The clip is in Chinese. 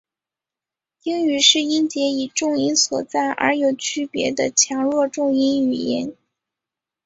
英语是音节以重音所在而有区别的强弱重音语言。